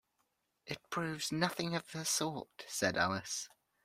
‘It proves nothing of the sort!’ said Alice.